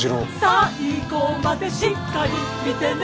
最後までしっかり見てね